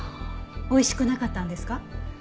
おいしくなかったんですか？